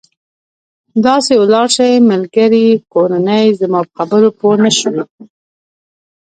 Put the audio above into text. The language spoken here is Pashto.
داسې ولاړ شئ، ملګري، کورنۍ، زما په خبرو پوه نه شوې.